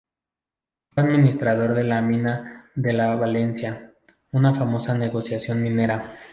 Fue administrador de la mina de La Valenciana, una famosa negociación minera.